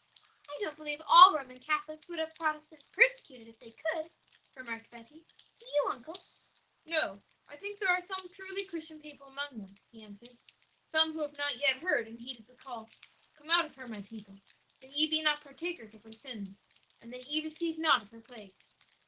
"I don't believe all Roman Catholics would have Protestants persecuted if they could," remarked Betty. "Do you, uncle?" "No; I think there are some truly Christian people among them," he answered; "some who have not yet heard and heeded the call, 'Come out of her, my people, that ye be not partakers of her sins, and that ye receive not of her plagues.'